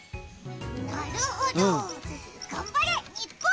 なるほど、頑張れ日本！